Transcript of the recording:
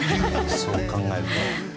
そう考えると。